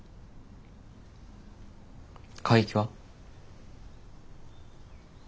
海域は？